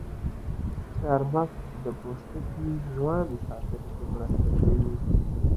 چارمغز د پوستکي ځوان ساتلو کې مرسته کوي.